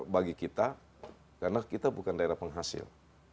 bagi kita karena kita bukan daerah penghasil